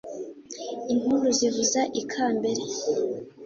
impundu zivuga i kambere